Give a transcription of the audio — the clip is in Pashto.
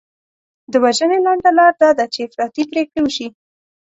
د وژنې لنډه لار دا ده چې افراطي پرېکړې وشي.